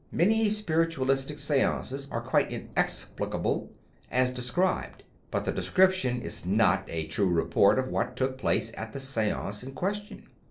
Many spiritualistic seances are quite inexplicable as de scribedf but the description is not a true report of what took place at the seance in question.